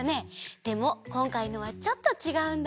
でもこんかいのはちょっとちがうんだ。